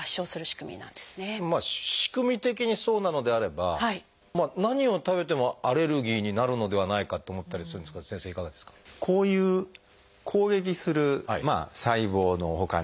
仕組み的にそうなのであれば何を食べてもアレルギーになるのではないかと思ったりするんですが先生いかがですか？